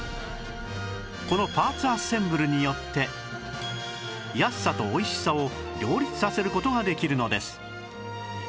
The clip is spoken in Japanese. このパーツアッセンブルによって安さと美味しさを両立させる事ができるのです